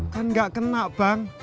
kan gak kena bang